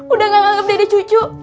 udah gak nganggep jadi cucu